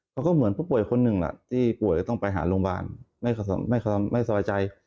มันก็เหมือนผู้ป่วยคนหนึ่งแหละที่ป่วยแล้วต้องไปหาโรงพยาบาลไม่สบายใจ